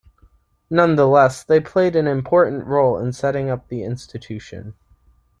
Nonetheless, they played an important role in setting up the institution.